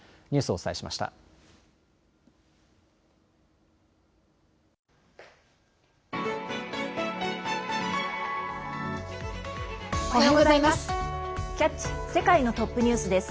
おはようございます。